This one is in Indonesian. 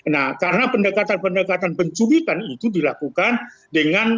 nah karena pendekatan pendekatan penculikan itu dilakukan dengan